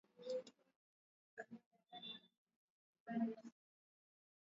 tangu mwaka elfu moja mia nane themanini na nane